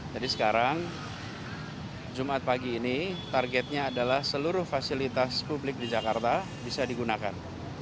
sekarang jumat pagi ini targetnya adalah seluruh fasilitas publik di jakarta bisa digunakan